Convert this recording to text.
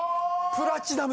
「プラチナム」